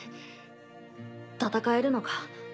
戦えるのか？